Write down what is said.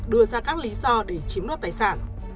đưa ra các lý do để chiếm nốt tài sản